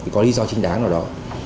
có lý do chính đáng nào đó